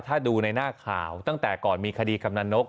ถ้าดูในหน้าข่าวตั้งแต่ก่อนมีคดีกำนันนก